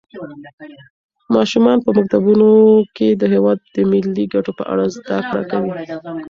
ماشومان په مکتبونو کې د هېواد د ملي ګټو په اړه زده کړه کوي.